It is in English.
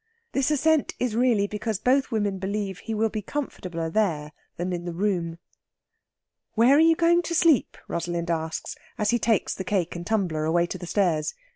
This assent is really because both women believe he will be comfortabler there than in the room. "Where are you going to sleep?" Rosalind asks, as he takes the cake and tumbler away to the stairs.